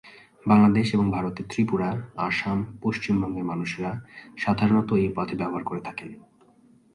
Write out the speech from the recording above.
বাংলাদেশ এবং ভারতের ত্রিপুরা, আসাম, পশ্চিম বঙ্গের মানুষরা সাধারনত এই উপাধি ব্যবহার করে থাকেন।